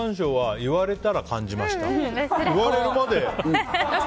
言われるまで。